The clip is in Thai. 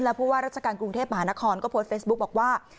และรัฐกาลกรุงเทพฯมหานครก็โพสต์เฟซบุ๊คบอกว่า